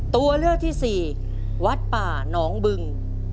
ตัวเลือกที่สี่วัดป่าน้องบึง